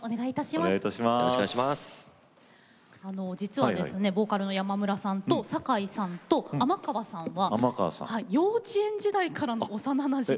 実はボーカルの山村さんと阪井さんと尼川さんは幼稚園時代からの幼なじみ。